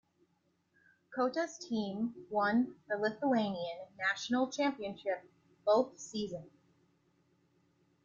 Cota's team won the Lithuanian National Championship both season.